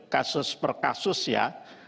kasus per kasus ya